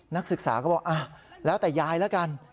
นักศึกษาก็บอกแล้วแต่ยายแล้วกัน